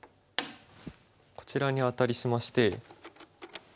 こちらにアタリしまして。